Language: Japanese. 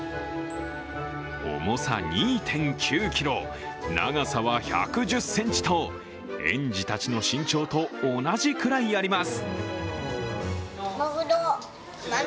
重さ２．９ｋｇ、長さは１１０ｃｍと園児たちの身長と同じくらいあります。